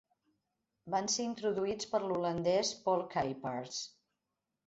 Van ser introduïts per l'holandès Paul Kuypers.